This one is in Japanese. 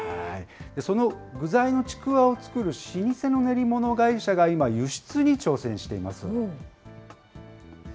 その具材のちくわを作る老舗の練り物会社が今、輸出に挑戦しています。